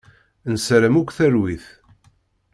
Nessaram akk talwit.